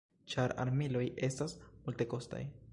Ĉar armiloj estas multekostaj.